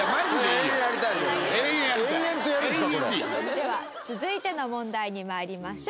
では続いての問題に参りましょう。